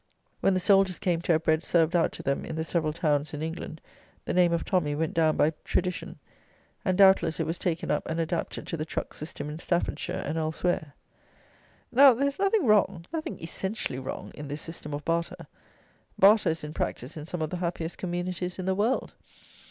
When the soldiers came to have bread served out to them in the several towns in England, the name of "tommy" went down by tradition; and, doubtless, it was taken up and adapted to the truck system in Staffordshire and elsewhere. Now, there is nothing wrong, nothing essentially wrong, in this system of barter. Barter is in practice in some of the happiest communities in the world.